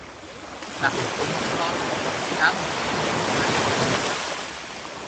Nach dem Gründungsort gab sich die Künstlervereinigung ihren Namen.